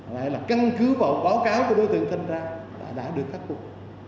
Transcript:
lại là căn cứ vào báo cáo của đối tượng thanh tra đã được khắc phục